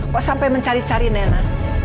kok sampai mencari cari nena